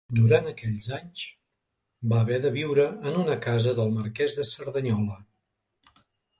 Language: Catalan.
Durant aquells anys va haver de viure en una casa del marquès de Cerdanyola.